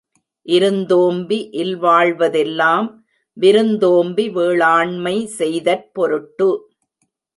இருந்தோம்பி இல் வாழ்வதெல்லாம் விருந்தோம்பி வேளாண்மை செய்தற் பொருட்டு.